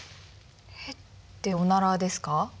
「ヘ」っておならですか？